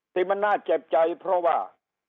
ได้ใจเพราะว่า